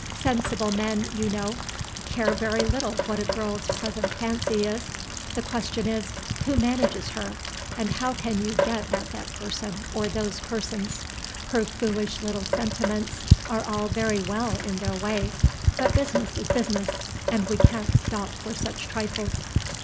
Sensible men, you know, care very little what a girl's present fancy is. The question is: Who manages her, and how can you get at that person or those persons? Her foolish little sentiments are all very well in their way; but business is business, and we can't stop for such trifles.